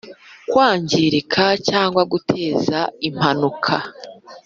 kwangirika cyangwa guteza impanuka